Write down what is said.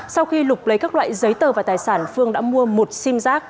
sau khi lục lấy các loại giấy tờ và tài sản phương đã mua một sim giác